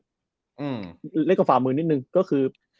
เล็กกว่าฝ่ามือนิดนึงก็คือ